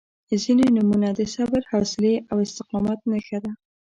• ځینې نومونه د صبر، حوصلې او استقامت نښه ده.